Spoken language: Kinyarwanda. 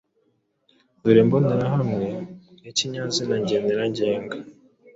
Dore imbonerahamwe y’ikinyanzina ngenera ngenga: